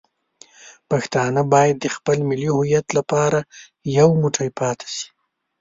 پښتانه باید د خپل ملي هویت لپاره یو موټی پاتې شي.